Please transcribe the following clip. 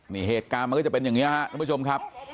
นี่เหตุการณ์มันก็จะเป็นอย่างนี้ครับทุกผู้ชมครับ